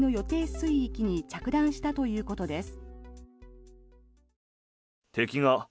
水域に着弾したということです。